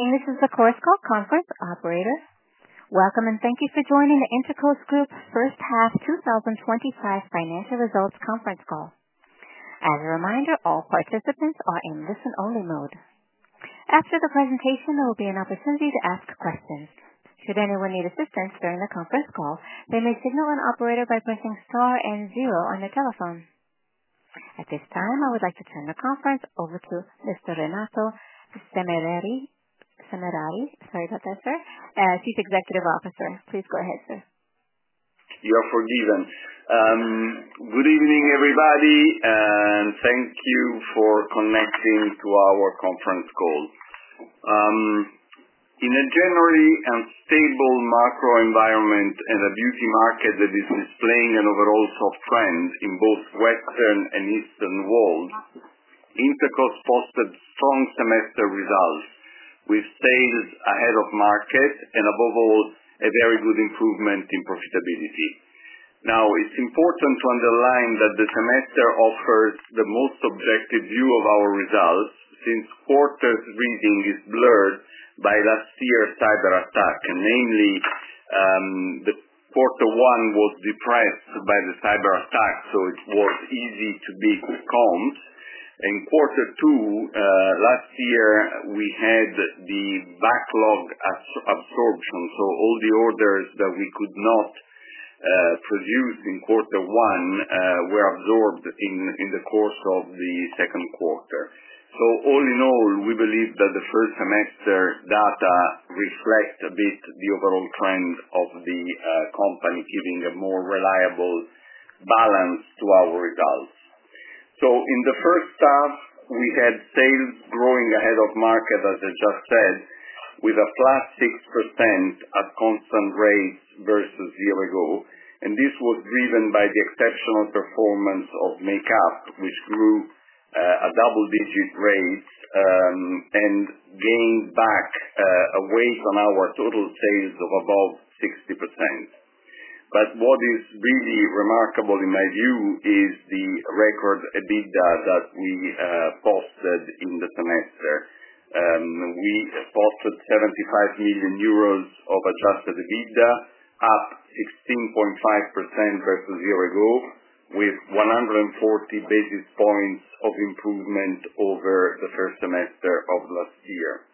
This is the course call conference operator. Welcome and thank you for joining the Intercos Group first half 2025 financial results conference call. As a reminder, all participants are in listen-only mode. After the presentation, there will be an opportunity to ask questions. Should anyone need assistance during the conference call, they may signal an operator by pressing star and zero on their telephone. At this time, I would like to turn the conference over to Mr. Renato Semerari. He's Chief Executive Officer. Please go ahead, sir. You are forgiven. Good evening, everybody, and thank you for connecting to our conference call. In a generally unstable macro environment and a beauty market that is displaying an overall soft trend in both Western and Eastern regions, Intercos posted strong semester results with sales ahead of market and, above all, a very good improvement in profitability. Now, it's important to underline that the semester offers the most objective view of our results since quarter's reading is blurred by last year's cyber attack. Mainly, the quarter one was depressed by the cyber attack, so it was easy to be discount. In quarter two, last year, we had the backlog absorption, so all the orders that we could not produce in quarter one were absorbed in the course of the second quarter. All in all, we believe that the first semester data reflects a bit the overall trend of the company, giving a more reliable balance to our results. In the first half, we had sales growing ahead of market, as I just said, with a plus 6% at constant rates versus a year ago. This was driven by the exceptional performance of Makeup, which grew at a double-digit rate and gained back a weight from our total sales of above 60%. What is really remarkable in my view is the record EBITDA that we posted in the semester. We posted 75 million euros of adjusted EBITDA, up 16.5% versus a year ago, with 140 basis points of improvement over the first semester of last year.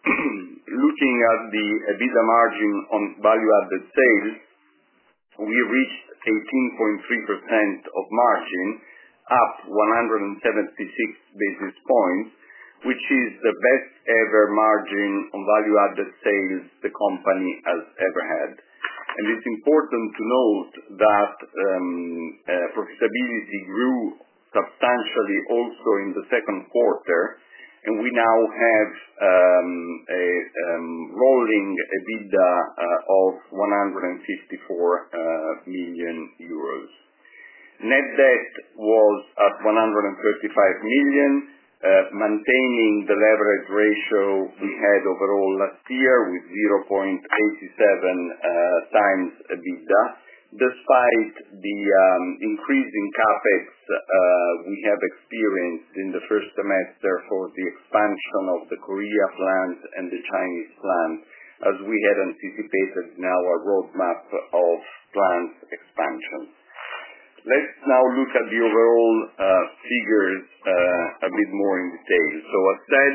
Looking at the EBITDA margin on value-added sales, we reached 13.3% of margin, up 176 basis points, which is the best ever margin on value-added sales the company has ever had. It's important to note that profitability grew substantially also in the second quarter, and we now have a rolling EBITDA of 154 million euros. Net debt was at 135 million, maintaining the leverage ratio we had overall last year with 0.07 times EBITDA, despite the increase in CapEx we have experienced in the first semester for the expansion of the Korea plant and the Chinese plant as we had anticipated in our roadmap of plant expansion. Let's now look at the overall figures a bit more in detail. As said,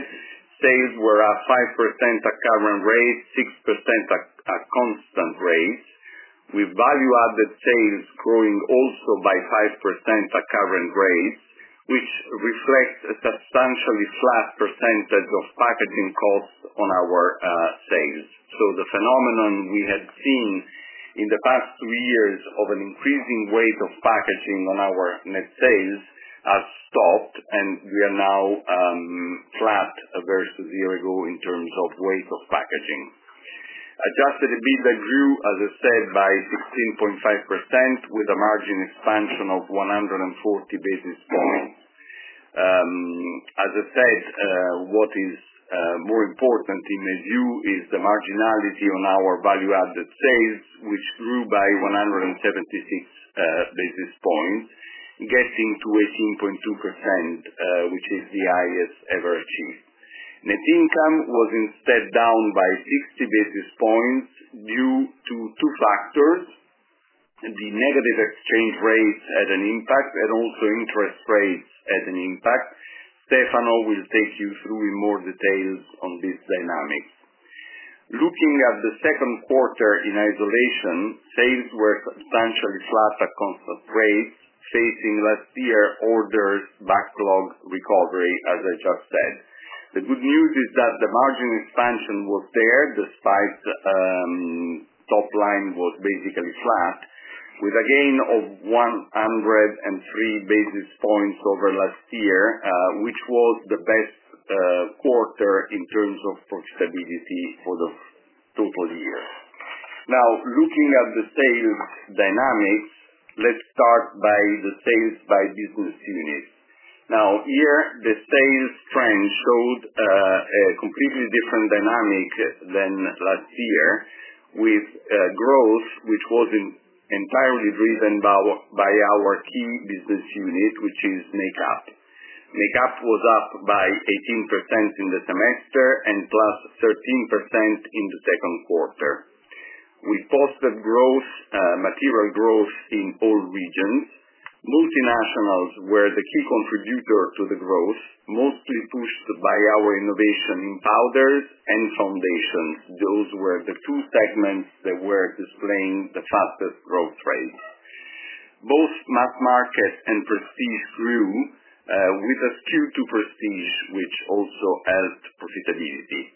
sales were at 5% at current rates, 6% at constant rates, with value-added sales growing also by 5% at current rates, which reflects a substantially flat percentage of packaging costs on our sales. The phenomenon we had seen in the past two years of an increasing weight of packaging on our net sales has stopped, and we are now flat versus a year ago in terms of weight of packaging. Adjusted EBITDA grew, as I said, by 16.5% with a margin expansion of 140 basis points. As I said, what is more important in my view is the marginality on our value-added sales, which grew by 176 basis points, getting to 18.2%, which was the highest ever achieved. Net income was instead down by 60 basis points due to two factors: the negative exchange rates had an impact, and also interest rates had an impact. Stefano will take you through in more detail on these dynamics. Looking at the second quarter in isolation, sales were substantially flat at constant rates, facing last year orders backlog recovery, as I just said. The good news is that the margin expansion was there despite the topline was basically flat, with a gain of 103 basis points over last year, which was the best quarter in terms of profitability for the total year. Now, looking at the sales dynamics, let's start by the sales by business units. Here, the sales trend showed a completely different dynamic than last year, with growth which was entirely driven by our key business unit, which is Makeup. Makeup was up by 18% in the semester and plus 13% in the second quarter. We posted growth, material growth in all regions. Most nationals were the key contributor to the growth, mostly pushed by our innovation powders and foundations. Those were the two segments that were displaying the fastest growth rate. Both mass markets and prestige grew, with a skew to prestige, which also helped profitability.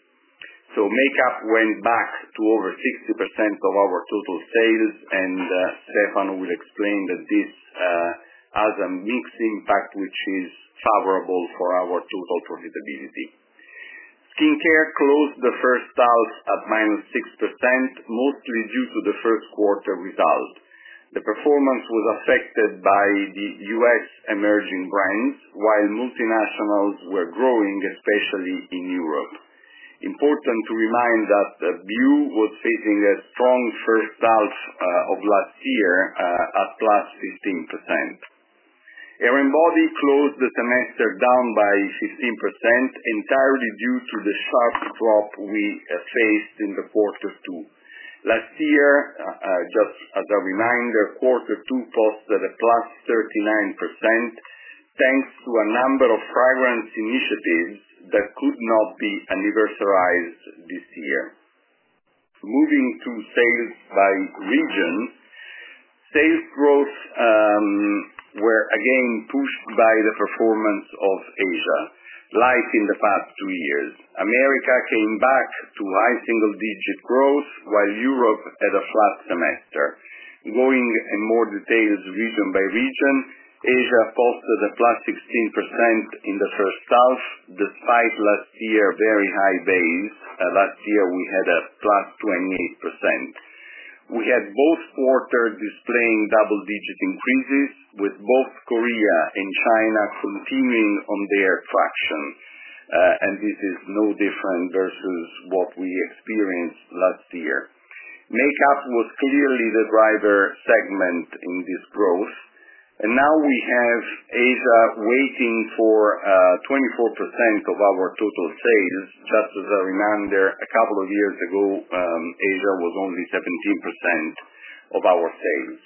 Makeup went back to over 60% of our total sales, and Stefano will explain that this has a mixed impact, which is favorable for our total profitability. Skincare closed the first half at minus 6%, mostly due to the first quarter result. The performance was affected by the U.S. emerging brands, while multinationals were growing, especially in Europe. Important to remind that BU was facing a strong first half of last year, at plus 16%. Hair and Body closed the semester down by 16%, entirely due to the sharp drop we faced in the quarter two. Last year, just as a reminder, quarter two posted a plus 39% thanks to a number of fragrance initiatives that could not be anniversaried this year. Moving to sales by region, sales growth was again pushed by the performance of Asia, like in the past two years. America came back to high single-digit growth, while Europe had a flat semester. Going in more detail to region by region, Asia posted a +16% in the first half, despite last year's very high days. Last year, we had a +28%. We had both quarters displaying double-digit increases, with both Korea and China continuing on their traction. This is no different versus what we experienced last year. Makeup was clearly the driver segment in this growth. Now we have Asia waiting for 24% of our total sales. Just as a reminder, a couple of years ago, Asia was only 17% of our sales.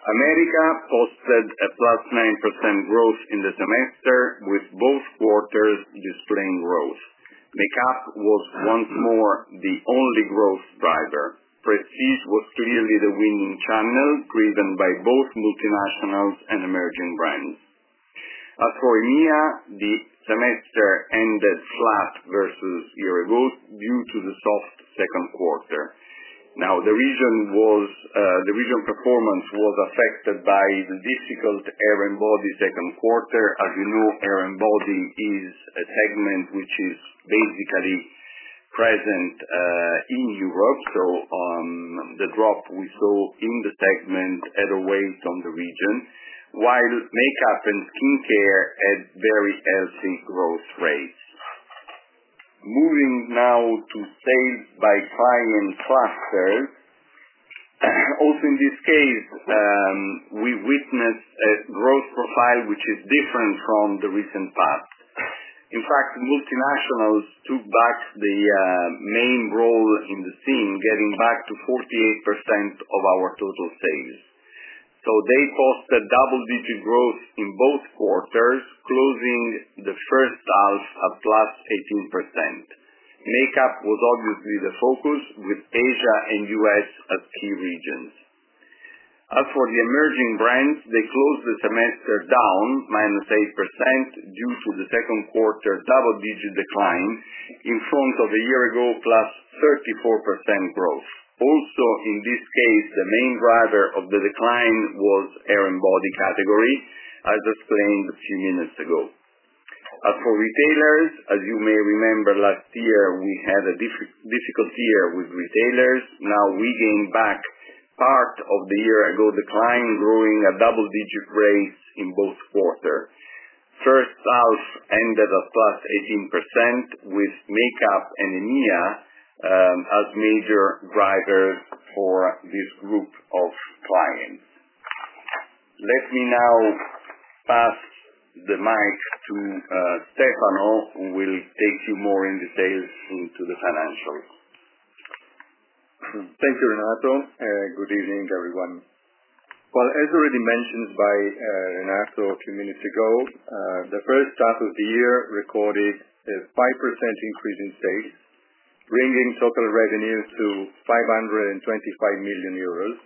America posted a +9% growth in the semester, with both quarters displaying growth. Makeup was once more the only growth driver. prestige was clearly the winning channel, driven by both multinationals and emerging brands. Accor and Mia, the semester ended flat versus a year ago due to the soft second quarter. The region performance was affected by the difficult Hair and Body second quarter. As you know, Hair and Body is a segment which is basically present in Europe. The drop we saw in the segment had a weight on the region, while Makeup and Skincare had very healthy growth rates. Moving now to sales by client factors, also in this case, we witnessed a growth profile which is different from the recent past. In fact, multinationals took back the main role in the scene, getting back to 48% of our total sales. They posted double-digit growth in both quarters, closing the first half at +18%. Makeup was obviously the focus, with Asia and US as key regions. As for the emerging brands, they closed the semester down -8% due to the second quarter double-digit decline in front of a year ago +34% growth. In this case, the main driver of the decline was Hair and Body category, as explained a few minutes ago. Accor retailers, as you may remember, last year we had a difficult year with retailers. Now we gained back part of the year ago decline, growing at double-digit rates in both quarters. First half ended at +18%, with Makeup and Mia as major drivers for this group of clients. Let me now pass the mic to Stefano, who will take you more in details into the financials. Thank you, Renato. Good evening, everyone. As already mentioned by Renato a few minutes ago, the first half of the year recorded a 5% increase in sales, bringing total revenues to 525 million euros.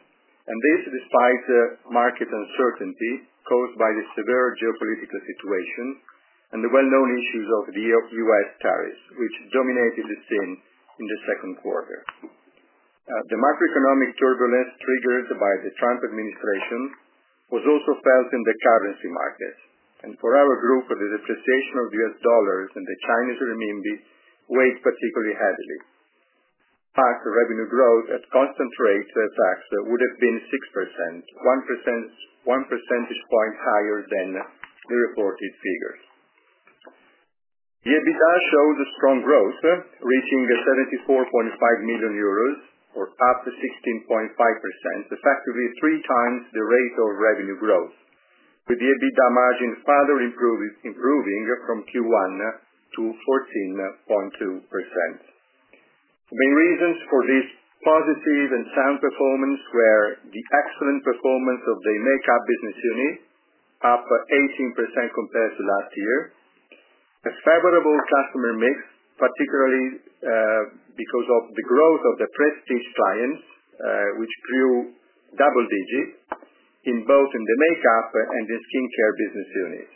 This is despite the market uncertainty caused by the severe geopolitical situation and the well-known issues of the U.S. tariffs, which dominated the scene in the second quarter. The macroeconomic turbulence triggered by the Trump administration was also felt in the currency markets. For our group, the depreciation of U.S. dollars and the Chinese renminbi weighed particularly heavily. PAC revenue growth at constant rates for the tax would have been 6%, 1% higher than the reported figures. EBITDA shows strong growth, reaching 74.5 million euros, or up to 16.5%, effectively three times the rate of revenue growth, with EBITDA margins further improving from Q1 to 14.2%. The main reasons for this positive and sound performance were the excellent performance of the Makeup business units, up 18% compared to last year, and a favorable customer mix, particularly because of the growth of the prestige client, which grew double digits in both the Makeup and the Skincare business units.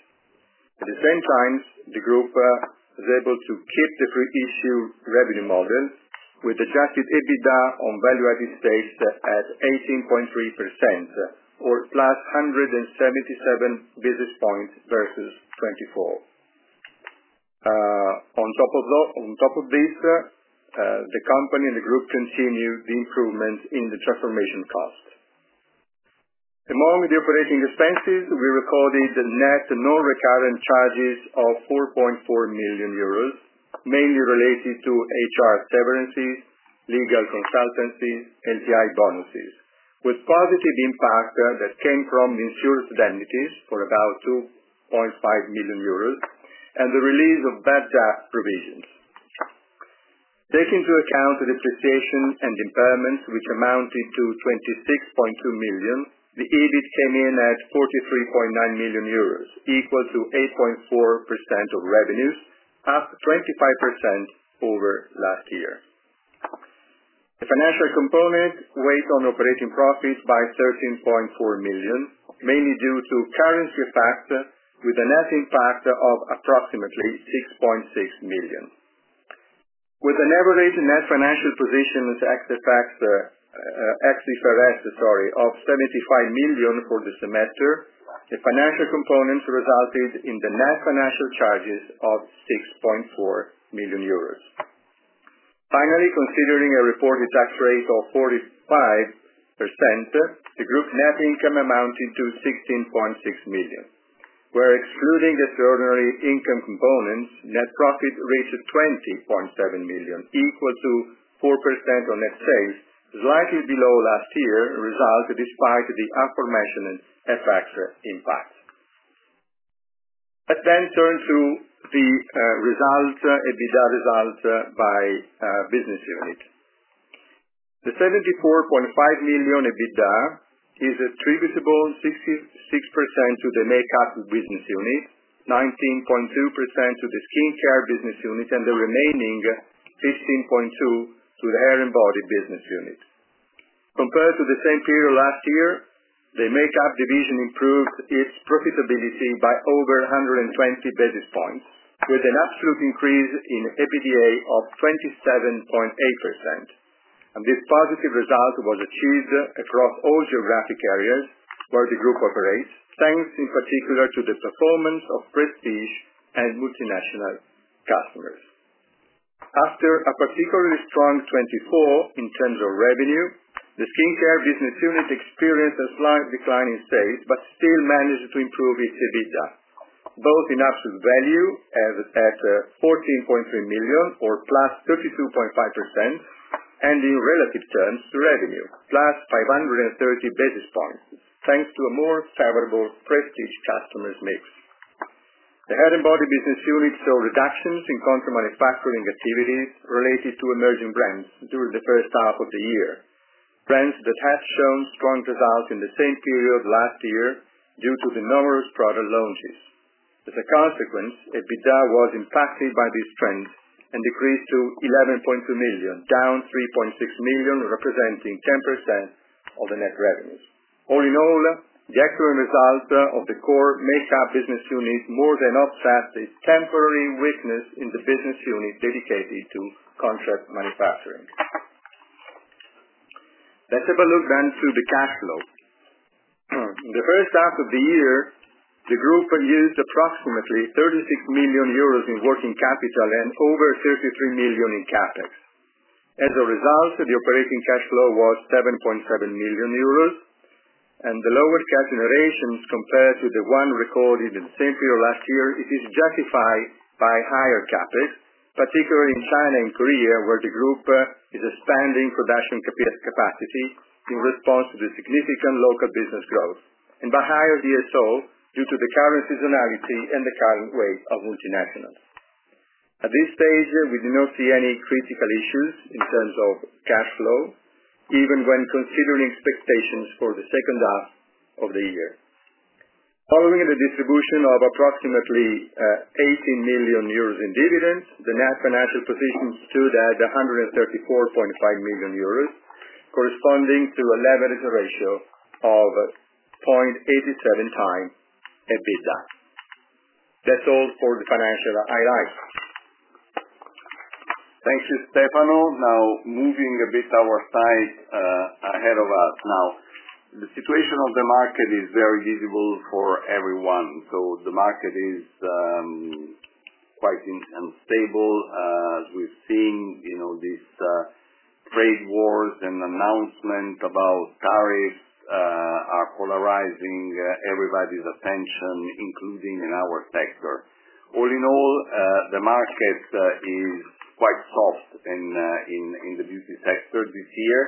At the same time, the group was able to keep the pre-issued revenue model, with the adjusted EBITDA on value-added sales at 18.3%, or plus 177 basis points versus 24. On top of this, the company and the group continued the improvement in the transformation cost. Among the operating expenses, we recorded net non-recurring charges of 4.4 million euros, mainly related to HR severances, legal consultancies, and GI bonuses, with positive impact that came from the insured entities for about 2.5 million euros and the release of bad draft provisions. Taking into account the depreciation and impairment, which amounted to 26.2 million, the EBIT came in at 43.9 million euros, equal to 8.4% of revenues, up 25% over last year. The financial component weighed on operating profits by 13.4 million, mainly due to currency factors, with a net impact of approximately €6.6 million. With an average net financial position to act the tax, the SB5S, sorry, of 75 million for the semester, the financial component resulted in the net financial charges of 6.4 million euros. Finally, considering a reported tax rate of 45%, the group net income amounted to 6.6 million. Where, excluding the extraordinary income component, net profit reached 20.7 million, equal to 4% on SA, slightly below last year's result despite the aforementioned FX impact. Let's then turn to the results, EBITDA results by business unit. The 74.5 million EBITDA is attributable 66% to the Makeup business unit, 19.2% to the Skincare business unit, and the remaining 15.2% to the Hair and Body business unit. Compared to the same figure last year, the Makeup division improved its profitability by over 120 basis points, with an absolute increase in EBITDA of 27.8%. This positive result was achieved across all geographic areas where the group operates, thanks in particular to the performance of prestige and multinational customers. After a particularly strong 24% in general revenue, the Skincare business unit experienced a slight decline in sales, but still managed to improve its EBITDA, both in absolute value at 14.3 million, or plus 32.5%, and in relative terms to revenue, plus 530 basis points, thanks to a more favorable prestige customers' mix. The Hair and Body business unit saw reductions in contract manufacturing activities related to emerging brands during the first half of the year, trends that have shown strong results in the same period of last year due to the numerous product launches. As a consequence, EBITDA was impacted by these trends and decreased to 11.2 million, down 3.6 million, representing 10% of the net revenues. All in all, the excellent results of the core Makeup business units more than offset this temporary weakness in the business unit dedicated to contract manufacturing. Let's have a look then through the cash flow. In the first half of the year, the group produced approximately 36 million euros in working capital and over 33 million in CapEx. As a result, the operating cash flow was 7.7 million euros, and the lower tax generations compared to the one recorded in the same period of last year is justified by higher CapEx, particularly in China and Korea, where the group is expanding production capacity in response to the significant local business growth, and by higher DSO due to the current seasonality and the current weight of multinationals. At this stage, we do not see any critical issues in terms of cash flow, even when considering expectations for the second half of the year. Following the distribution of approximately 18 million euros in dividends, the net financial position stood at 134.5 million euros, corresponding to a leverage ratio of 0.87 times EBITDA. That's all for the financial highlights. Thank you, Stefano. Now, moving a bit our slide, ahead of us. Now, the situation of the market is very visible for everyone. The market is quite unstable. We've seen, you know, this, trade wars and announcements about tariffs, are polarizing everybody's attention, including in our sector. All in all, the market is quite soft in the beauty sector this year,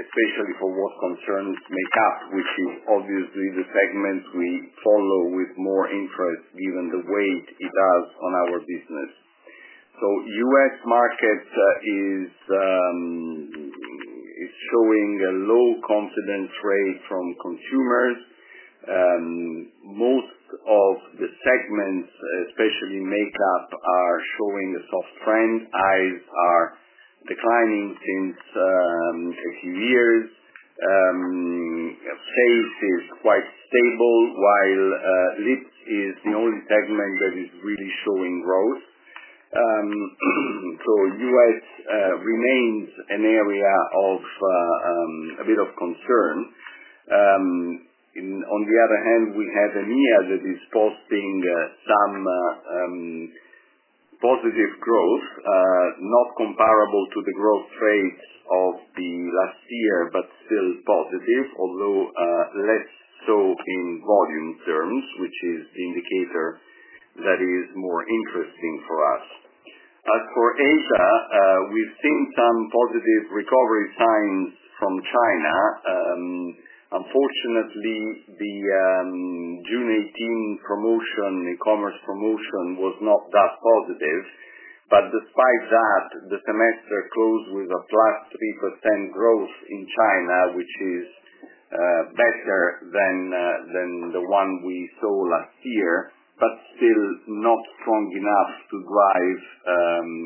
especially for what concerns Makeup, which is obviously the segment we follow with more interest given the weight it has on our business. The U.S. market is showing a low confidence rate from consumers. Most of the segments, especially Makeup, are showing a soft trend. Eyes are declining since a few years. You know, face is quite stable, while lips is the only segment that is really showing growth. The U.S. remains an area of a bit of concern. On the other hand, we had a year that is posting some positive growth, not comparable to the growth rate of last year, but still positive, although less so in volume terms, which is the indicator that is more interesting for us. As for Asia, we've seen some positive recovery signs from China. Unfortunately, the June 18th e-commerce promotion was not that positive. Despite that, the semester closed with a +3% growth in China, which is better than the one we saw last year, but still not strong enough to drive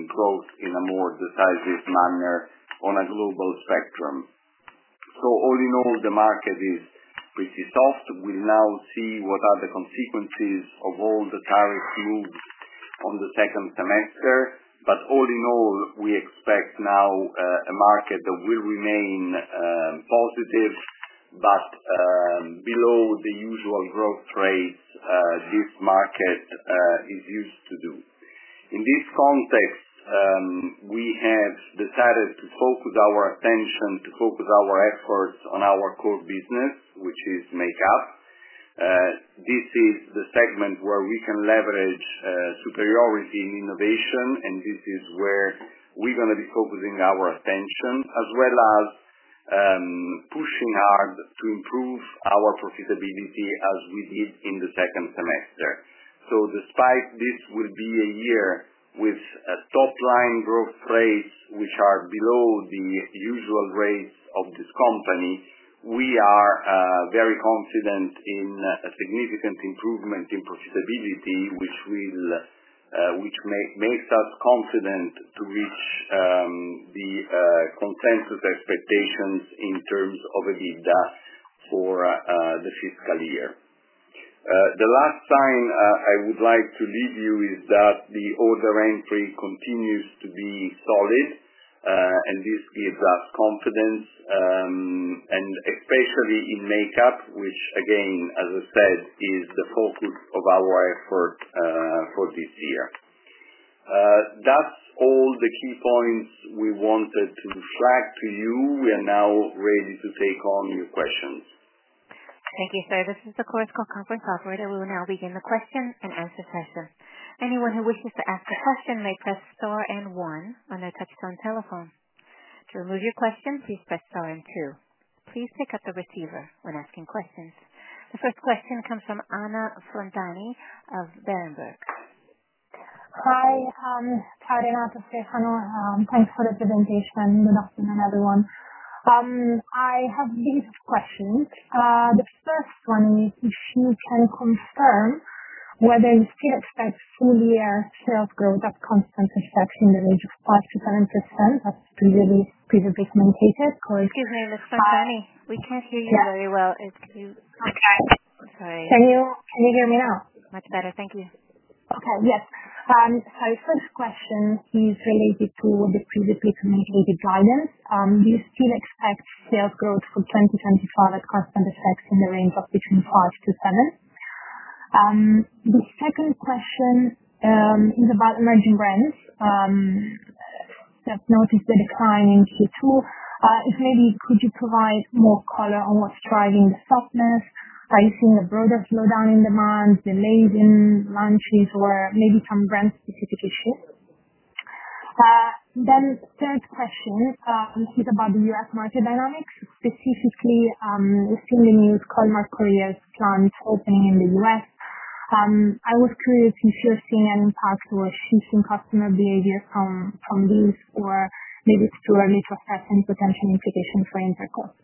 growth in a more decisive manner on a global spectrum. All in all, the market is soft. We'll now see what are the consequences of all the tariff moves on the second semester. All in all, we expect now a market that will remain positive, but below the usual growth rates this market is used to do. In this context, we have decided to focus our attention, to focus our efforts on our core business, which is Makeup. This is the segment where we can leverage superiority in innovation, and this is where we're going to be focusing our attention, as well as pushing hard to improve our profitability as we did in the second semester. Despite this would be a year with a topline growth rate, which are below the usual rates of this company, we are very confident in a significant improvement in profitability, which makes us confident to reach the contentious expectations in terms of EBITDA for the fiscal year. The last sign I would like to leave you is that the order entry continues to be solid, and this gives us confidence, and especially in Makeup, which, again, as I said, is the focus of our effort for this year. That's all the key points we wanted to flag to you. We are now ready to take on your questions. Thank you, sir. This is the conference call operator. We will now begin the question and answer session. Anyone who wishes to ask a question may press * and 1 on their touch-tone telephone. To remove your question, please press * and 2. Please pick up the receiver when asking questions. The first question comes from Anna Frontani of Berenberg. Hi, sorry not to say hello. Thanks for the presentation. Good afternoon, everyone. I have these questions. The first one is if you can confirm whether you still expect full-year sales growth at constant rates in the range of 5%-7% as previously communicated? Sorry, excuse me, Ms. Frontani, we can't hear you very well. Okay. Sorry. Can you hear me now? Much better. Thank you. Okay. Yes. The first question is related to the previously communicated guidance. Do you still expect sales growth for 2025 at constant rates in the range of between 5%-7%? The second question is about emerging brands. I've noticed the declines too. If maybe could you provide more color on what's driving the softness? Are you seeing a broader slowdown in demand, delays in launches, or maybe some brand-specific issues? The third question is about the U.S. market dynamics, specifically, assuming you use Korea's strong holding in the U.S. I was curious if you're seeing an impact or see some customer behavior from this, or maybe it's too early for us to have any potential implications for Intercos.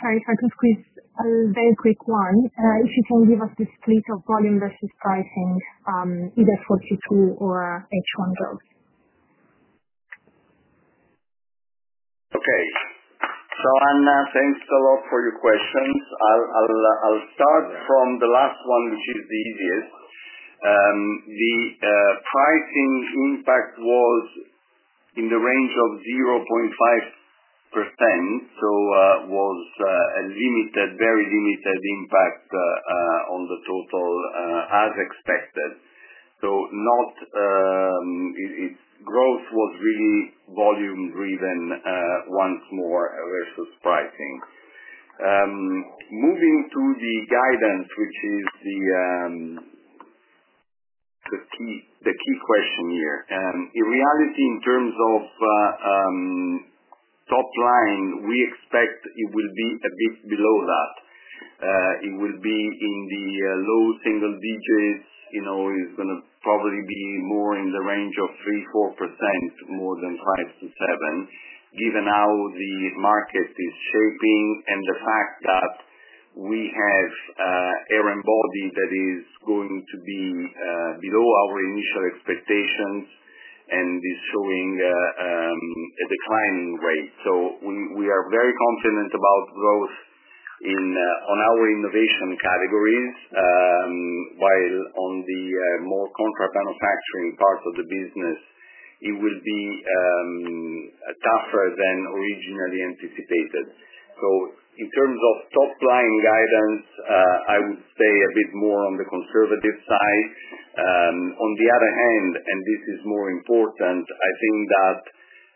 Sorry, if I can squeeze a very quick one. If you can give us the split of volume versus pricing, either for Q2 or H1 growth. Okay. Anna, thanks a lot for your questions. I'll start from the last one, which is the easiest. The pricing impact was in the range of 0.5%. It was a limited, very limited impact on the total, as expected. It's growth was really volume-driven, once more versus pricing. Moving to the guidance, which is the key question here. In reality, in terms of top line, we expect it will be a bit below that. It will be in the low single digits. You know, it's going to probably be more in the range of 3%-4%, more than 5%-7%, given how the market is shaping and the fact that we have Hair and Body that is going to be below our initial expectations and is showing a declining rate. We are very confident about growth in our innovation categories, while on the more contract manufacturing part of the business, it will be tougher than originally anticipated. In terms of topline guidance, I would stay a bit more on the conservative side. On the other hand, and this is more important, I think that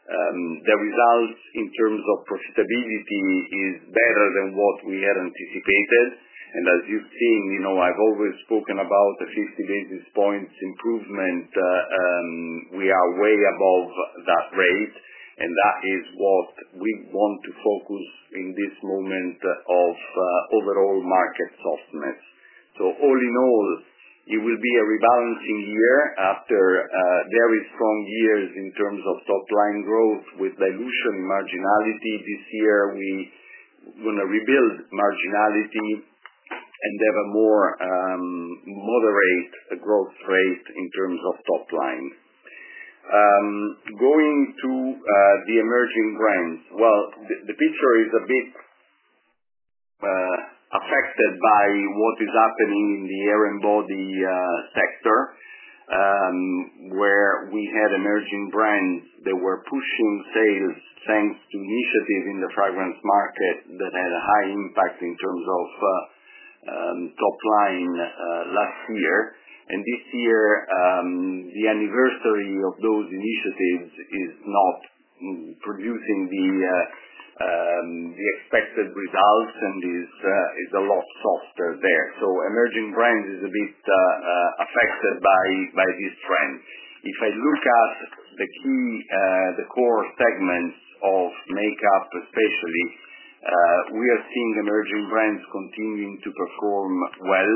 the results in terms of profitability are better than what we had anticipated. As you've seen, you know, I've always spoken about the 50 basis points improvement. We are way above that rate, and that is what we want to focus on in this moment of overall market softness. All in all, it will be a rebalancing year after very strong years in terms of topline growth with dilution marginality. This year, we're going to rebuild marginality and have a more moderate growth rate in terms of top lines. Going to the emerging brands, the picture is a bit affected by what is happening in the Hair and Body sector, where we had emerging brands that were pushing sales thanks to initiatives in the fragrance market that had a high impact in terms of top line last year. This year, the anniversary of those initiatives is not producing the expected results, and it is a lot softer there. Emerging brands are a bit affected by this trend. If I look at the key, the core segments of Makeup especially, we are seeing emerging brands continuing to perform well,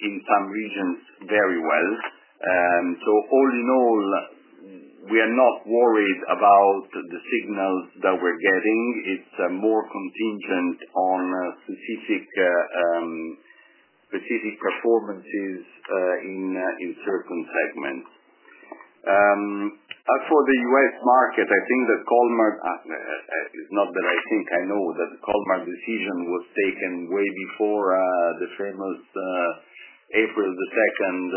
in some regions very well. All in all, we are not worried about the signals that we're getting. It's more contingent on specific performances in certain segments. As for the U.S. market, I think that Kolmar is not that I think. I know that Kolmar decision was taken way before the famous April 2nd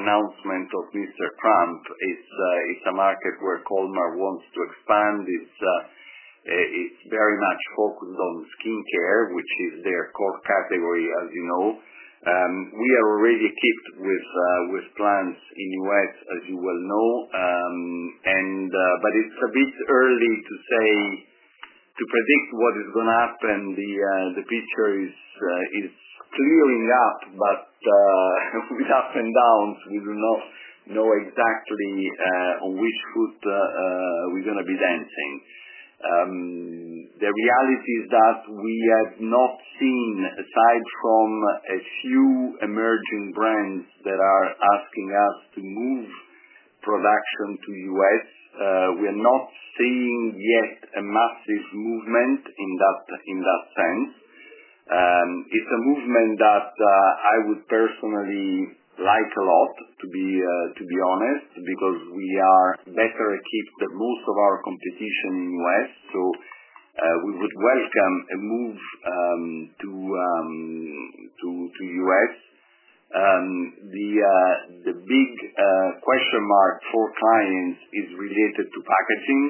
announcement of Mr. Trump. It's a market where Kolmar wants to expand. It's very much focused on Skincare, which is their core category, as you know. We are already tipped with plans in the U.S., as you well know, and it's a bit early to predict what is going to happen. The picture is clearing up, but with ups and downs, we do not know exactly on which foot we're going to be dancing. The reality is that we have not seen, aside from a few emerging brands that are asking us to move production to the U.S., we are not seeing yet a massive movement in that sense. It's a movement that I would personally like a lot, to be honest, because we are better equipped than most of our competition in the U.S. We would welcome a move to the U.S. The big question mark for clients is related to packaging,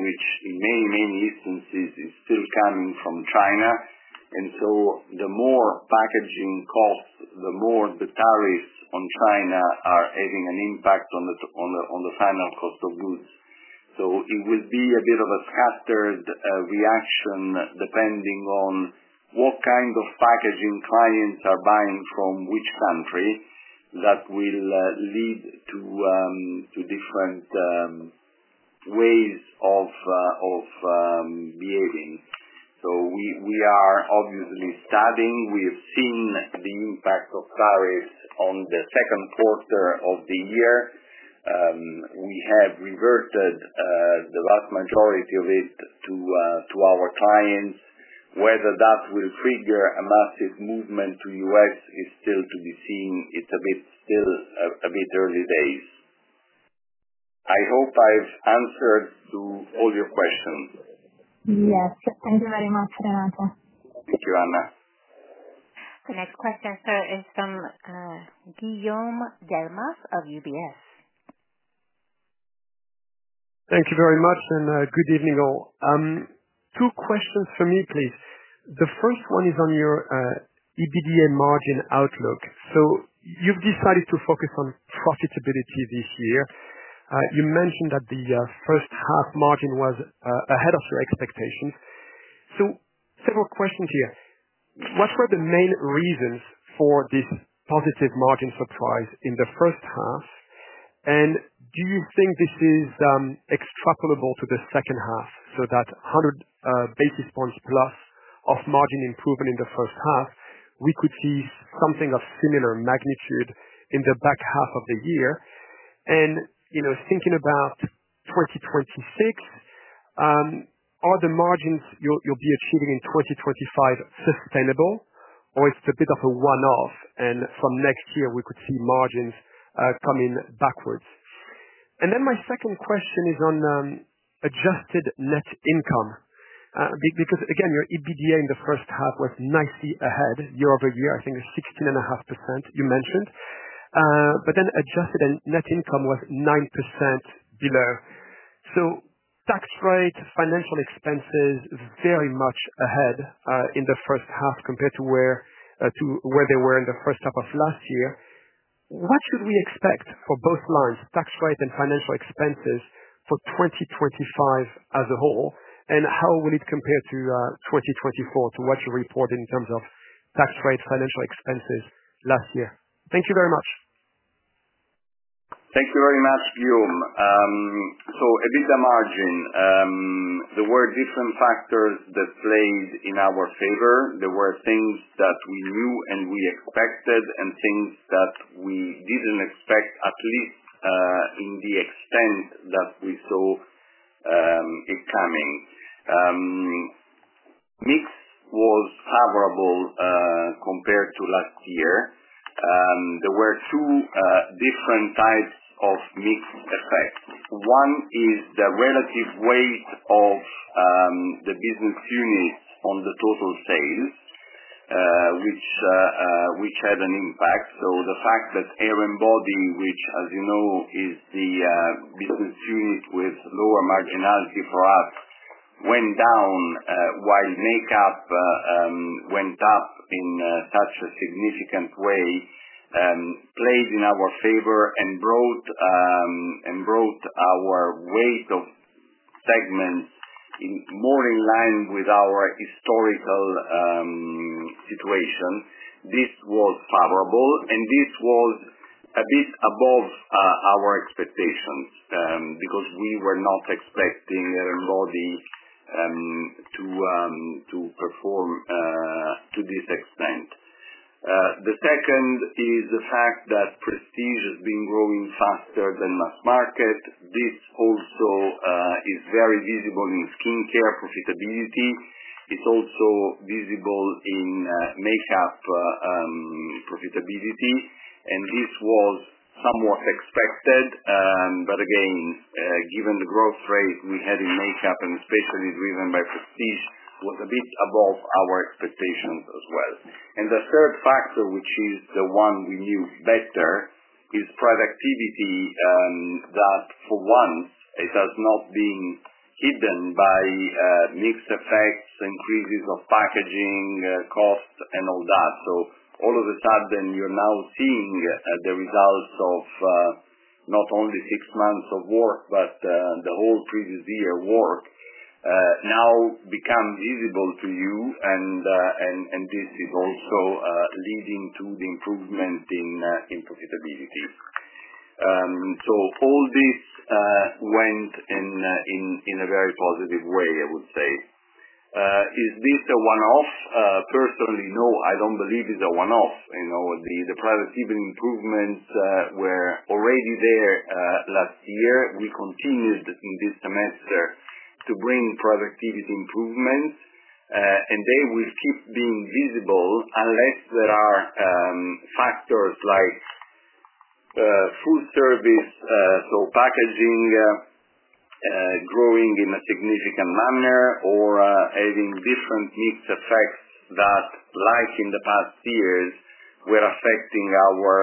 which in many instances is still coming from China. The more packaging costs, the more the tariffs on China are having an impact on the final cost of goods. It will be a bit of a fasted reaction, depending on what kind of packaging clients are buying from which country, that will lead to different ways of behaving. We are obviously starting. We have seen the impact of tariffs on the second quarter of the year. We have reverted the vast majority of it to our clients. Whether that will trigger a massive movement to the U.S. is still to be seen. It's still a bit early days. I hope I've answered to all your questions. Yes, thank you very much, Renato. Thank you, Anna. The next question, sir, is from Guillaume Moret of UBS. Thank you very much, and good evening all. Two questions for me, please. The first one is on your EBITDA and margin outlook. You've decided to focus on profitability this year. You mentioned that the first half margin was ahead of your expectations. What were the main reasons for this positive margin surprise in the first half? Do you think this is extrapolable to the second half so that 100 basis points plus of margin improvement in the first half, we could see something of similar magnitude in the back half of the year? Thinking about 2026, are the margins you'll be achieving in 2025 sustainable, or is it a bit of a one-off, and from next year, we could see margins coming backwards? My second question is on adjusted net income. Because again, your EBITDA in the first half was nicely ahead year-over-year. I think it's 16.5%, you mentioned, but then adjusted net income was 9% below. Tax rate, financial expenses very much ahead in the first half compared to where they were in the first half of last year. What should we expect for both lines, tax rate and financial expenses, for 2025 as a whole? How will it compare to 2024, to what you report in terms of tax rate, financial expenses last year? Thank you very much. Thank you very much, Guillaume. EBITDA margin, there were different factors displayed in our favor. There were things that we knew and we expected, and things that we didn't expect, at least in the extent that we saw it coming. Mix was favorable, compared to last year. There were two different types of mix effects. One is the relative weight of the business units on the total sales, which had an impact. The fact that Hair and Body, which, as you know, is the business unit with lower marginality for us, went down, while Makeup went up in such a significant way, played in our favor and brought our weight of segments more in line with our historical situation. This was favorable, and this was a bit above our expectations, because we were not expecting Hair and Body to perform to this extent. The second is the fact that prestige has been growing faster than mass market. This also is very visible in Skincare profitability. It's also visible in Makeup profitability. This was somewhat expected, but again, given the growth rate we had in Makeup, and especially driven by prestige, was a bit above our expectations as well. The third factor, which is the one we knew better, is productivity, that for once, has not been hidden by mix effects, increases of packaging costs, and all that. All of a sudden, you're now seeing the results of not only six months of work, but the whole previous year of work now become visible to you. This is also leading to the improvement in profitability. All this went in a very positive way, I would say. Is this a one-off? Personally, no, I don't believe it's a one-off. The productivity improvements were already there last year. We continued in this semester to bring productivity improvements, and they will keep being visible unless there are factors like full service, so packaging growing in a significant manner, or having different mix effects that, like in the past years, were affecting our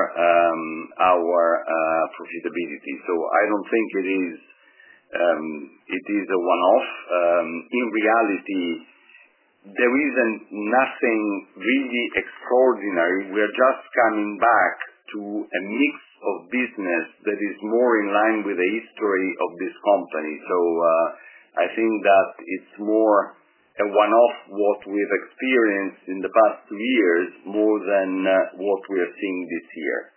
profitability. I don't think it is a one-off. In reality, there isn't anything really extraordinary. We are just coming back to a mix of business that is more in line with the history of this company. I think that it's more a one-off what we've experienced in the past two years, more than what we are seeing this year.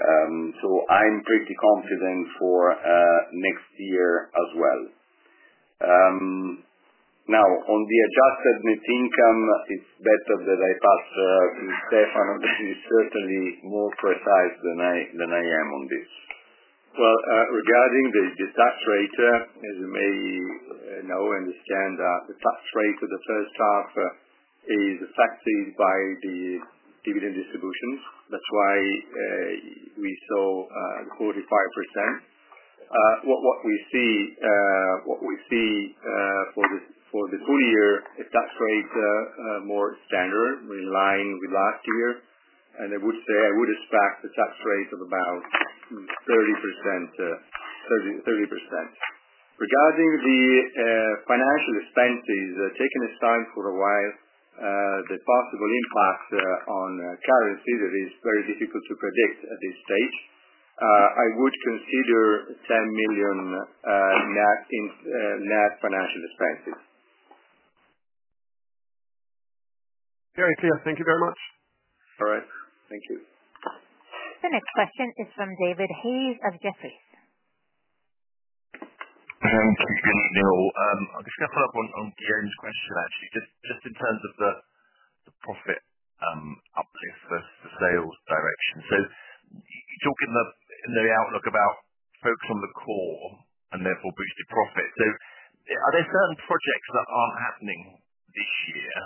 I'm pretty confident for next year as well. Now, on the adjusted net income, it's better that I pass to Stefano. He certainly is more precise than I am on this. Regarding the tax rate, as you may now understand, the tax rate for the first half is affected by the dividend distributions. That's why we saw the 45%. What we see for the full year, the tax rate is more standard, more in line with last year. I would say I would expect a tax rate of about 30%. Regarding the financial expenses, taking us time for a while, the possible impact on currency that is very difficult to predict at this state, I would consider 10 million net in net financial expenses. Very clear. Thank you very much. All right, thank you. The next question is from David Hayes of Jefferies. Hello. Good evening, all. I'll just follow up on Guillaume's question, actually, just in terms of the profit uplift for sales direction. You talk in the outlook about focusing on the core and therefore boosting profits. Are there certain projects that aren't happening this year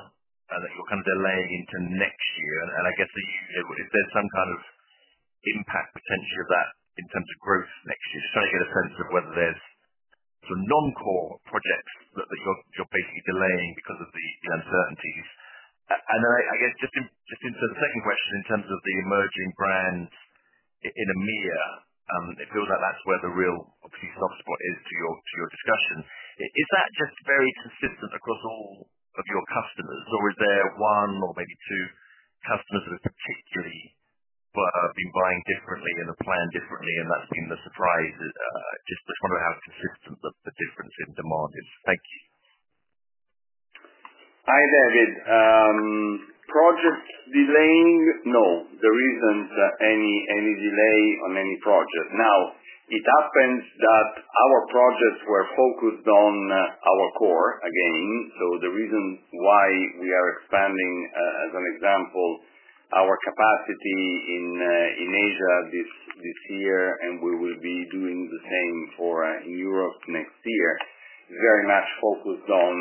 and that you're kind of delaying into next year? I guess, is there some kind of impact potentially of that in terms of growth next year? I just want to get a sense of whether there's some non-core projects that you're basically delaying because of the uncertainties. For the second question, in terms of the emerging brands in EMEA, it feels like that's where the real, obviously, soft spot is to your discussions. Is that just very consistent across all of your customers, or is there one or maybe two customers who have particularly been buying differently and have planned differently, and that's been the surprise? I just want to know how consistent the difference in demand is. Thank you. Hi, David. Project delaying? No. There isn't any delay on any project. It happens that our projects were focused on our core, again. The reasons why we are expanding, as an example, our capacity in Asia this year, and we will be doing the same in Europe next year, are very much focused on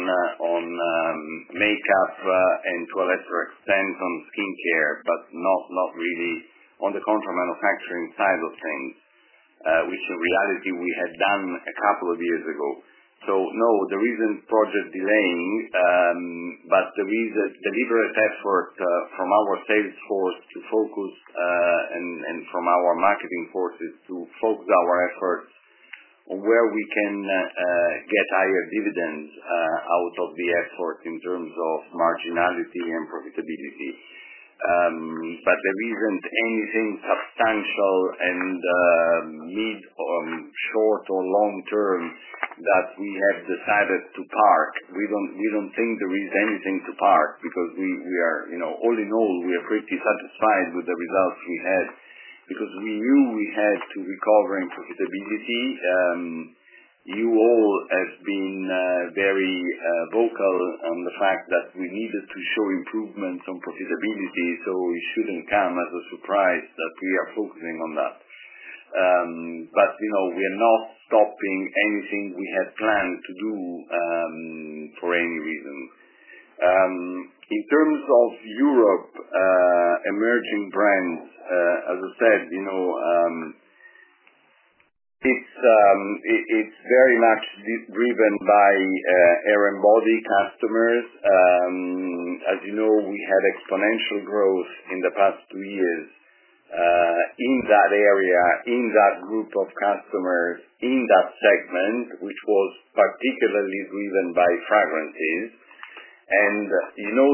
Makeup, and to a lesser extent on Skincare, but not really on the contract manufacturing side of things, which in reality we had done a couple of years ago. No, there isn't project delaying, but there is a deliberate effort from our sales force to focus, and from our marketing forces to focus our efforts on where we can get higher dividends out of the effort in terms of marginality and profitability. There isn't anything substantial in mid or short or long term that we have decided to par. We don't think there is anything to par because we are, you know, all in all, we are pretty satisfied with the results we had because we knew we had to recover in profitability. You all have been very vocal on the fact that we needed to show improvements on profitability. It shouldn't come as a surprise that we are focusing on that. You know we are not stopping anything we had planned to do, for any reason. In terms of Europe, emerging brands, as I said, it's very much driven by Hair and Body customers. As you know, we had exponential growth in the past two years in that area, in that group of customers, in that segment, which was particularly driven by fragrances.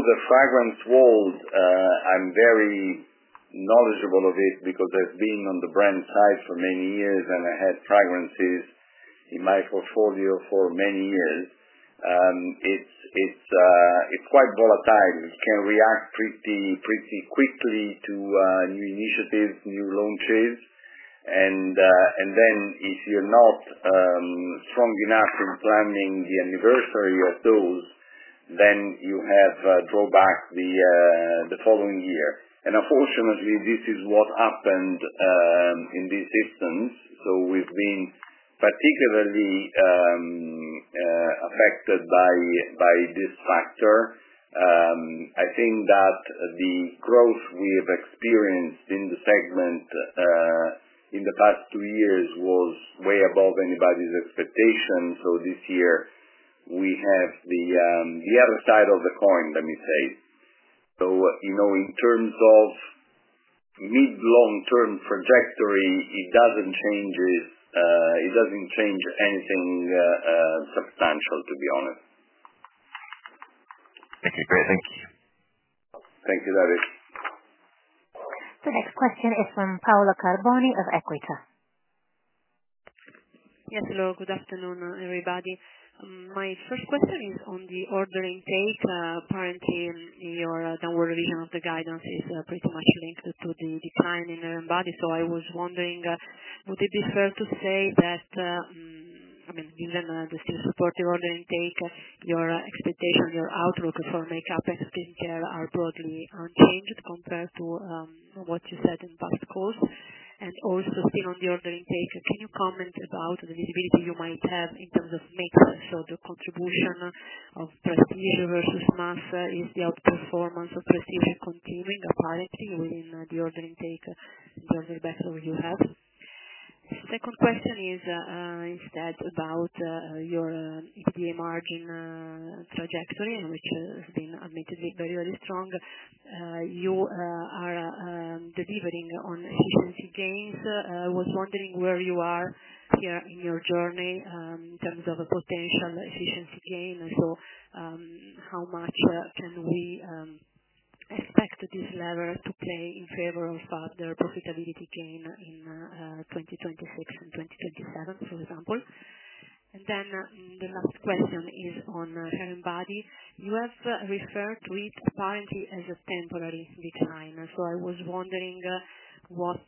The fragrance world, I'm very knowledgeable of this because I've been on the brand side for many years, and I had fragrances in my portfolio for many years, is quite volatile. It can react pretty quickly to new initiatives, new launches. If you're not strong enough in planning the anniversary of those, then you have drawbacks the following year. Unfortunately, this is what happened in this instance. We've been particularly affected by this factor. I think that the growth we have experienced in the segment in the past two years was way above anybody's expectation. This year, we have the other side of the coin, let me say. In terms of mid-long-term trajectory, it doesn't change this, it doesn't change anything substantial, to be honest. Okay. Great. Thank you. Thank you, David. The next question is from Paola Carboni of Equita. Yes, hello. Good afternoon, everybody. My first question is on the order pipeline. Apparently, your downward reading of the guidance is pretty much linked to the decline in Hair and Body. I was wondering, would it be fair to say that, given the supporting order pipeline, your expectation and your outlook for Makeup and Skincare are broadly unchanged compared to what you said in the past quarter? Also, still on the order pipeline, can you comment about the visibility you might have in terms of making sure the contribution of prestige versus mass market? Is the outperformance of prestige continuing the quality within the order pipeline? Is that the best overview you have? The second question is instead about your EBITDA margin trajectory, which has been admittedly very strong. You are delivering on efficiency gains. I was wondering where you are here in your journey in terms of a potential efficiency gain, and how much can we expect this lever to play in favor of the profitability gain in 2024-2027, for example? The last question is on Hair and Body. You have referred to it apparently as a temporary decline. I was wondering what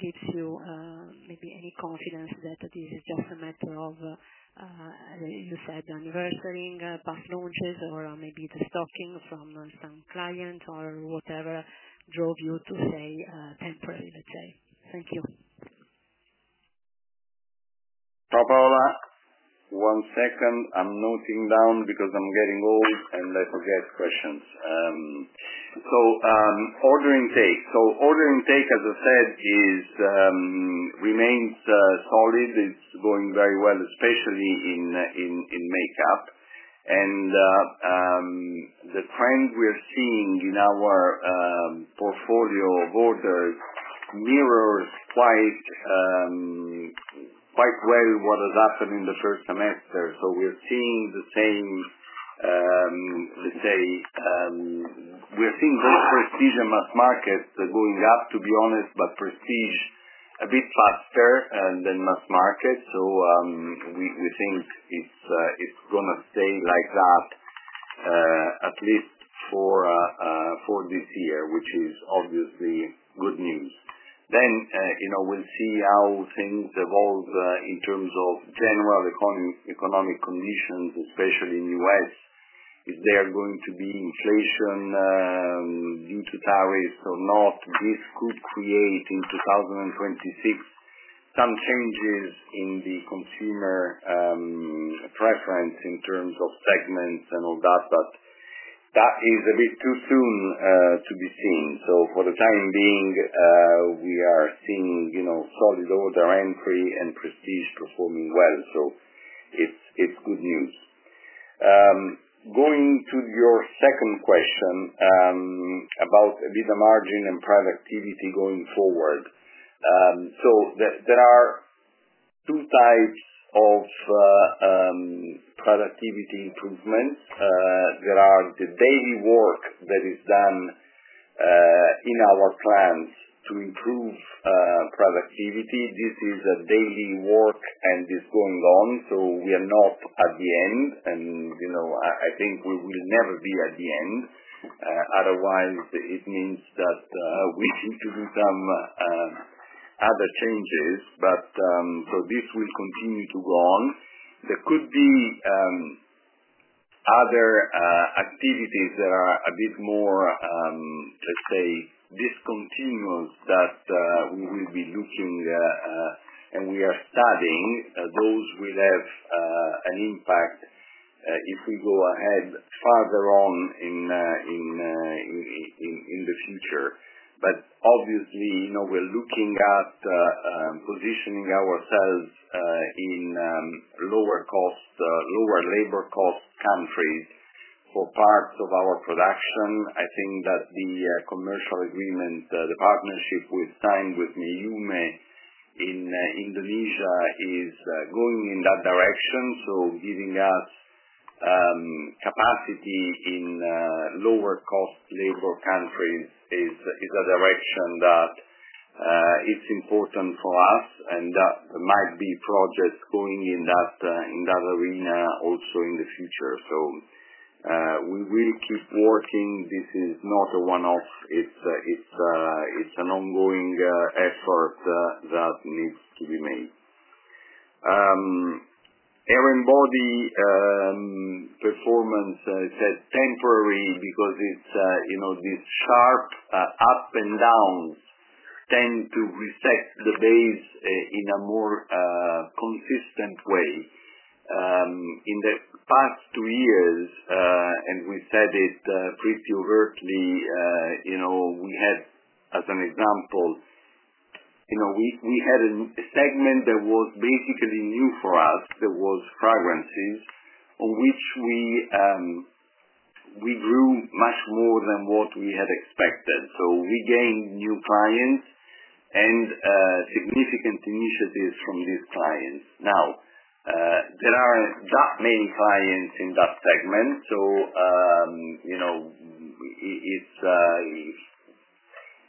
gives you maybe any confidence that this is just a matter of, you said, anniversary, past launches, or maybe the stopping from some clients or whatever drove you to say temporary, let's say? Thank you. Paola, one second. I'm noting down because I'm getting old and I forget questions. Order intake, as I said, remains solid. It's going very well, especially in Makeup. The trend we are seeing in our portfolio of orders mirrors quite well what has happened in the first semester. We are seeing both prestige and mass markets going up, to be honest, but prestige a bit faster than mass markets. We think it's going to stay like that, at least for this year, which is obviously good news. We'll see how things evolve in terms of general economic conditions, especially in the U.S. If there are going to be inflation, duty tariffs or not, this could create in 2026 some changes in the consumer preference in terms of segments and all that. That is a bit too soon to be seen. For the time being, we are seeing solid order entry and prestige performing well. It's good news. Going to your second question about EBITDA margin and productivity going forward, there are two types of productivity improvements. There is the daily work that is done in our plants to improve productivity. This is a daily work, and it's going on. We are not at the end, and I think we will never be at the end. Otherwise, it means that we need to do some other changes. This will continue to go on. There could be other activities that are a bit more, let's say, discontinuous that we will be looking at and we are studying. Those will have an impact if we go ahead farther on in the future. Obviously, we're looking at positioning ourselves in lower cost, lower labor cost countries for parts of our production. I think that the commercial agreements, the partnership we've signed with Meiyume in Indonesia, is going in that direction. Giving us capacity in lower cost labor countries is a direction that is important for us. That might be projects going in that arena also in the future. We will keep working. This is not a one-off. It's an ongoing effort that needs to be made. Hair and Body performance, it says temporary because this sharp up and down tends to reset the base in a more consistent way. In the past two years, and we said it pretty overtly, you know, we had, as an example, you know, we had a segment that was basically new for us that was fragrances, on which we grew much more than what we had expected. We gained new clients and significant initiatives from these clients. Now, there are not that many clients in that segment.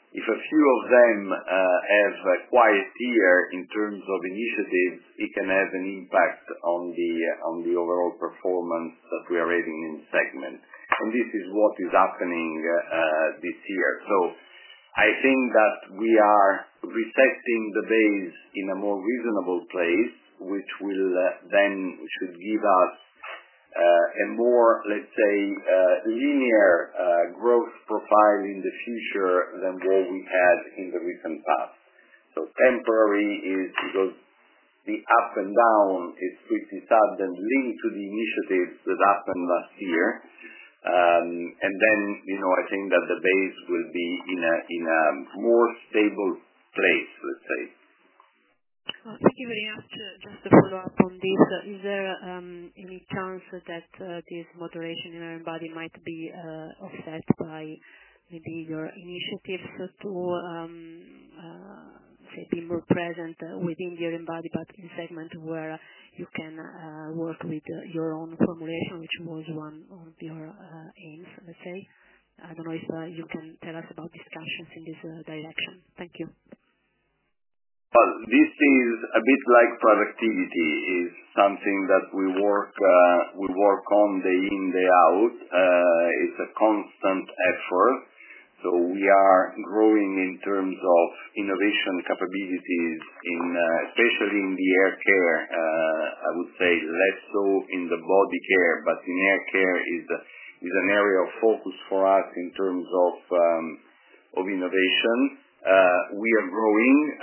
If a few of them have a quiet year in terms of initiatives, it can have an impact on the overall performance that we are rating in this segment. This is what is happening this year. I think that we are resetting the base in a more reasonable place, which should then give us a more, let's say, linear growth profile in the future than what we had in the recent past. Temporary is because the up and down is pretty sudden, linked to the initiatives that happened last year. I think that the base will be in a more stable place, let's say. I think I really have to just follow up on this. Is there any chance that this moderation in Hair and Body might be affected by maybe your initiatives to be more present within the Hair and Body, but in the segment where you can work with your own formulation, which was one of your aims, let's say? I don't know if you can tell us about this success in this direction. Thank you. It's a bit like productivity. It's something that we work on day in, day out. It's a constant effort. We are growing in terms of innovation capabilities, especially in hair care. I would say less so in body care, but hair care is an area of focus for us in terms of innovation. We are growing,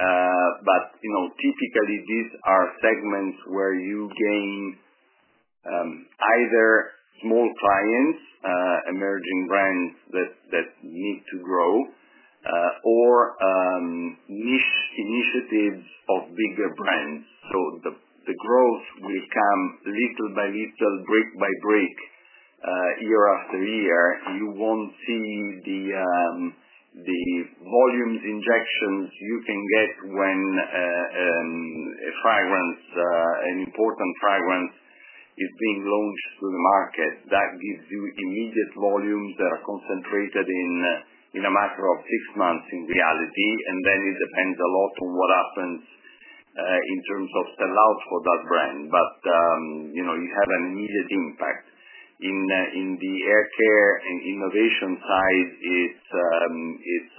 but you know, typically, these are segments where you gain either more clients, emerging brands that need to grow, or niche initiatives of bigger brands. The growth will come little by little, brick by brick, year after year. You won't see the volumes injections you can get when a fragrance, an important fragrance, is being launched to the market. That gives you immediate volumes that are concentrated in a matter of six months in reality. It depends a lot on what happens in terms of sell-out for that brand. You have an immediate impact. In the hair care and innovation side, it's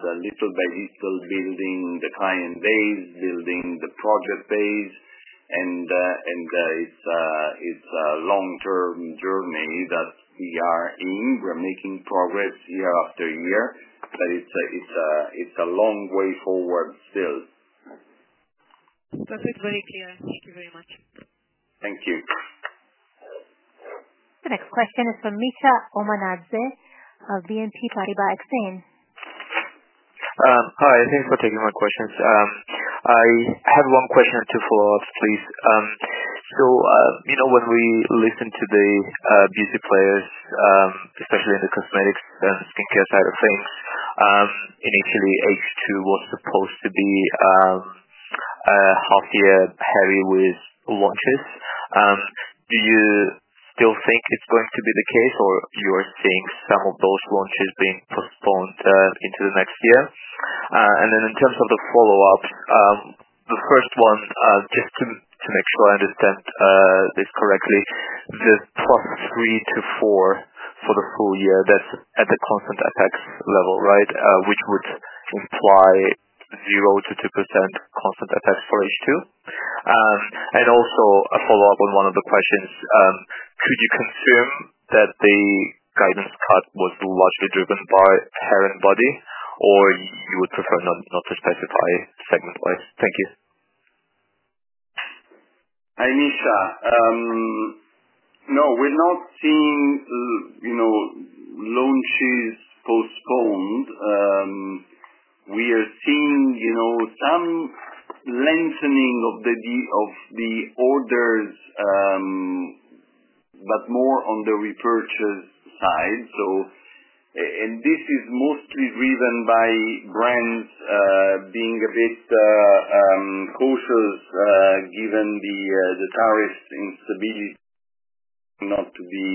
a little by little building the client base, building the project base, and it's a long-term journey that we are in. We're making progress year after year, but it's a long way forward still. Perfect. Very clear. Thank you very much. Thank you. The next question is from Mikheil Omanadze of BNP Paribas Exane. Hi. Thanks for taking my questions. I have one question or two for us, please. You know, when we listen to the music players, especially in the cosmetics, Skincare side of things, initially, it's what's supposed to be a half-year period with launches. Do you still think it's going to be the case, or you're seeing some of those launches being postponed into the next year? In terms of the follow-ups, the first one, just to make sure I understand this correctly, the top three to four for the full year, that's at the constant rates level, right? Which would imply 0%-2% constant rates for H2? Also, a follow-up on one of the questions. Could you confirm that the guidance part was largely driven by Hair and Body, or you would prefer not to specify segment-wise? Thank you. Hi, Mikheil. No, we're not seeing, you know, launches postponed. We are seeing, you know, some lengthening of the orders, but more on the repurchase side. This is mostly driven by brands being a bit cautious, given the tariff instability, not to be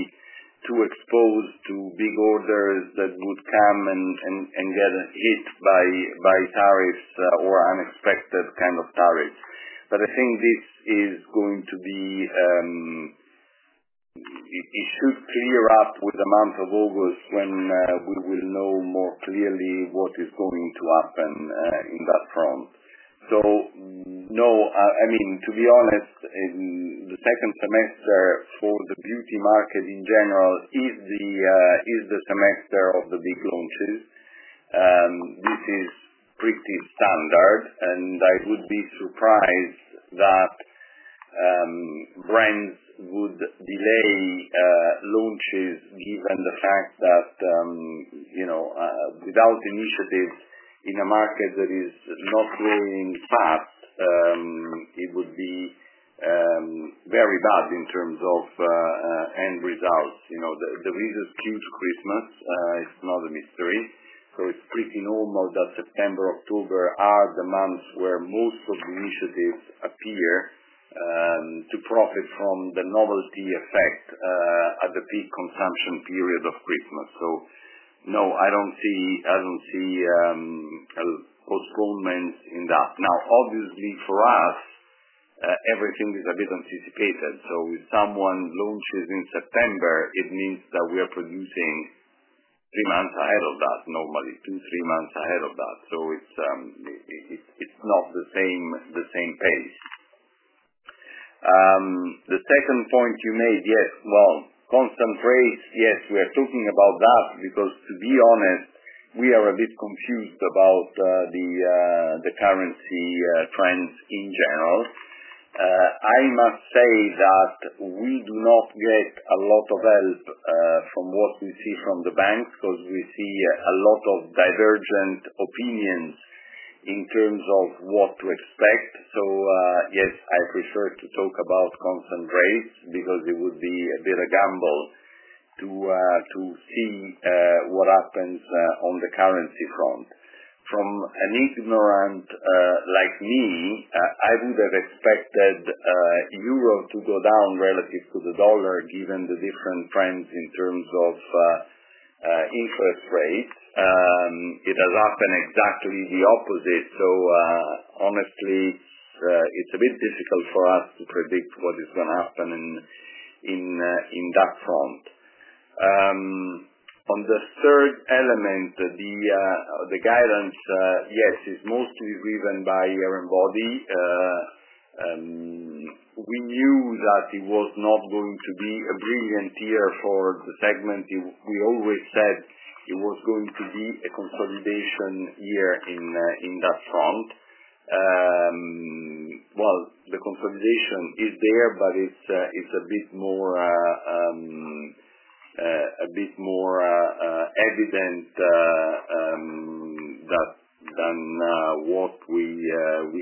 too exposed to big orders that would come and get hit by tariffs or unexpected kind of tariffs. I think this is going to be, it should clear up with the month of August when we will know more clearly what is going to happen in that front. No, I mean, to be honest, in the second semester for the beauty market in general is the semester of the big launches. This is pretty standard, and I would be surprised that brands would delay launches given the fact that, you know, without initiative in a market that is not growing fast, it would be very bad in terms of end results. You know, the business kills Christmas. It's not a mystery. It's pretty normal that September, October are the months where most of the initiatives appear to profit from the novelty effect at the peak consumption period of Christmas. No, I don't see, I don't see postponements in that. Obviously, for us, everything is a bit anticipated. If someone launches in September, it means that we are producing three months ahead of that, normally two, three months ahead of that. It's not the same, the same pace. The second point you made, yes, constant rates, yes, we are talking about that because, to be honest, we are a bit confused about the currency trends in general. I must say that we do not get a lot of help from what we see from the banks because we see a lot of divergent opinions in terms of what to expect. Yes, I prefer to talk about constant rates because it would be a bit of a gamble to see what happens on the currency front. From an ignorant, like me, I would have expected euro to go down relative to the dollar, given the different trends in terms of interest rates. It has happened exactly the opposite. Honestly, it's a bit difficult for us to predict what is going to happen in that front. On the third element, the guidance, yes, is mostly driven by Hair and Body. We knew that it was not going to be a brilliant year for the segment. We always said it was going to be a consolidation year in that front. The consolidation is there, but it's a bit more evident than what we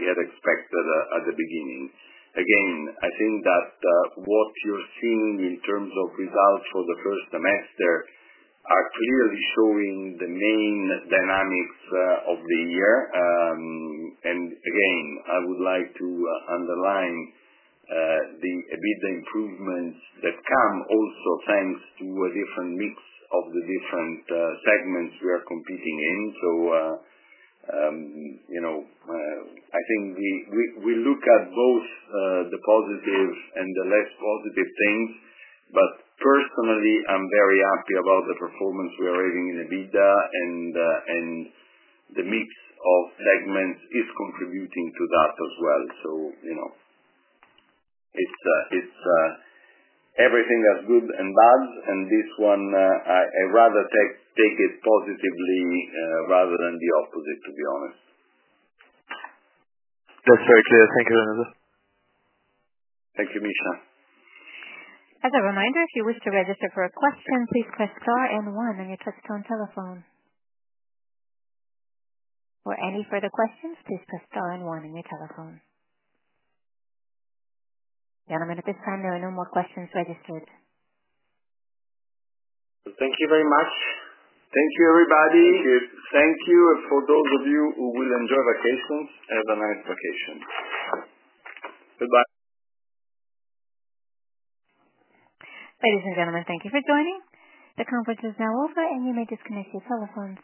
had expected at the beginning. I think that what you're seeing in terms of results for the first semester are clearly showing the main dynamics of the year. I would like to underline the EBITDA improvements that come also thanks to a different mix of the different segments we are competing in. I think we look at both the positive and the less positive things. Personally, I'm very happy about the performance we are having in EBITDA, and the mix of segments is contributing to that as well. It's everything that's good and bad. This one, I rather take it positively, rather than the opposite, to be honest. Perfect. Yeah, thank you, Renato. Thank you, Mikheil. As a reminder, if you wish to register for a question, please press * and 1 on your touch-tone telephone. For any further questions, please press * and 1 on your telephone. Gentlemen, at this time, there are no more questions registered. Thank you very much. Thank you, everybody. Thank you. For those of you who will enjoy vacations, have a nice vacation. Goodbye. Ladies and gentlemen, thank you for joining. The conference is now over, and you may disconnect your telephones.